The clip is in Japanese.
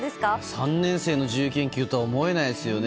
３年生の自由研究は思えないですよね。